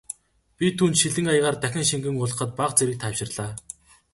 Би түүнд шилэн аягаар дахин шингэн уулгахад бага зэрэг тайвширлаа.